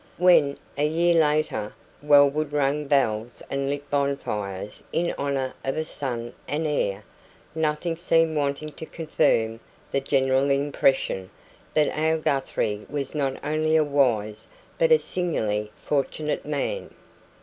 When, a year later, Wellwood rang bells and lit bonfires in honour of a son and heir, nothing seemed wanting to confirm the general impression that our Guthrie was not only a wise but a singularly fortunate man.